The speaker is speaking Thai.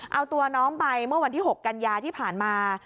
เอาตัวน้องไปเมื่อวันที่๖กันยาที่ผ่านมา